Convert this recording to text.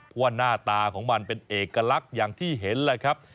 เพราะว่าหน้าตาของมันเป็นเอกลักษณ์อย่างที่เห็นแหละครับ